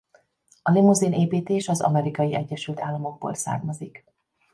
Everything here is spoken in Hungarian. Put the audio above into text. A limuzin építés az Amerikai Egyesült Államokból származik.